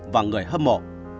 và người hâm mộ